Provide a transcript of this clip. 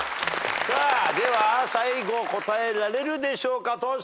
では最後答えられるでしょうかトシ。